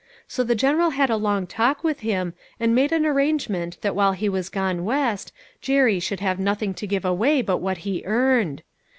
So the General had a long talk with him, and made an arrangement that while he was gone West, Jerry should have nothing to give away but what he earned.